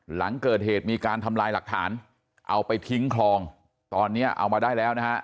หลังเกิดเหตุมีการทำลายหลักฐานเอาไปทิ้งคลองตอนนี้เอามาได้แล้วนะฮะ